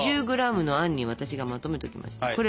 ２０グラムのあんに私がまとめておきましたから。